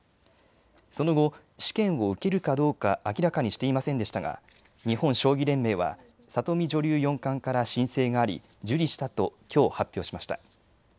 その後、試験を受けるかどうか明らかにしていませんでしたが日本将棋連盟は里見女流四冠から申請があり受理したときょう発表しました。